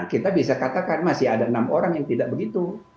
kita bisa katakan masih ada enam orang yang tidak begitu